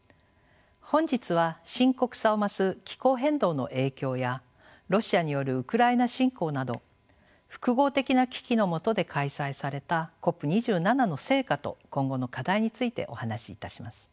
本日は深刻さを増す気候変動の影響やロシアによるウクライナ侵攻など複合的な危機のもとで開催されたＣＯＰ２７の成果と今後の課題についてお話しいたします。